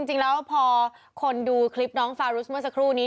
จริงแล้วพอคนดูคลิปน้องฟารุสเมื่อสักครู่นี้